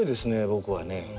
僕はね。